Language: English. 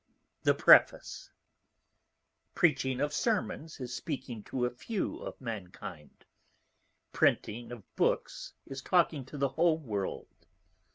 THE PREFACE _Preaching of Sermons is Speaking to a few of Mankind: Printing of Books is Talking to the whole World.